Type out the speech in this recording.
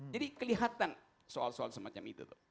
jadi kelihatan soal soal semacam itu